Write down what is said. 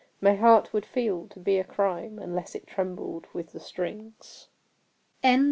My heart would feel to be a crime Unless it trembled with the strings. 1829.